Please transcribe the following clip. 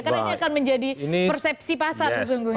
karena ini akan menjadi persepsi pasar sesungguhnya